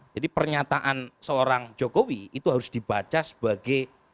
jadi pernyataan seorang jokowi itu harus dibaca sebagai